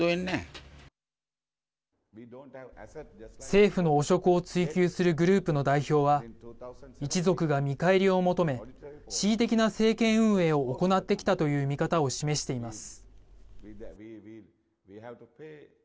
政府の汚職を追及するグループの代表は一族が見返りを求め恣意的な政権運営を行ってきたという見方を示しています。